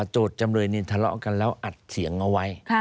จำเลยนี่ทะเลาะกันแล้วอัดเสียงเอาไว้